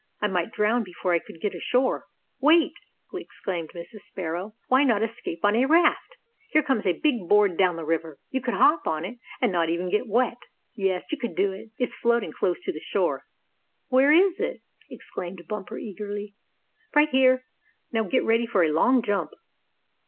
I might drown before I could get ashore." "Wait!" exclaimed Mrs. Sparrow. "Why not escape on a raft? Here comes a big board down the river. You could hop on it, and not even get wet. Yes, you could do it. It's floating close to the shore." "Where is it?" exclaimed Bumper, eagerly. "Right here! Now get ready for a long jump."